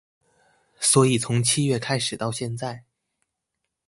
所以從七月開始到現在